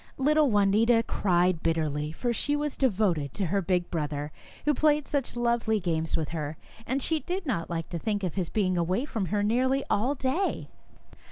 Little Juanita cried bitterly, for she was devoted to the big brother who played such lovely games with her, and she did not like to think of his being away from her nearly all day.